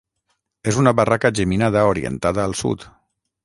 És una barraca geminada orientada al sud.